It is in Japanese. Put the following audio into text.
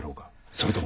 それとも。